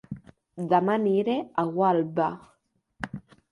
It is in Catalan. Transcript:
Dema aniré a Gualba